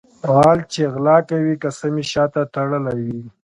غل چې غلا کوي قسم یې شاته تړلی وي.